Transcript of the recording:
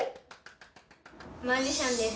マジシャンです。